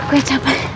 aku yang capek